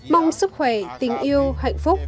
mong sức khỏe tình yêu hạnh phúc